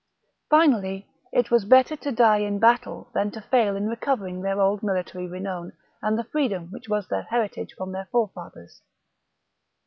Finally, it was better to die in battle than to fail in recovering their old military renown and the freedom which was their heritage from their forefathers.